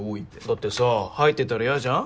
だってさ入ってたら嫌じゃん。